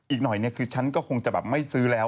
อีกหน่อยคือฉันก็คงจะแบบไม่ซื้อแล้ว